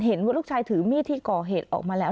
เห็นว่าลูกชายถือมีดที่ก่อเหตุออกมาแล้ว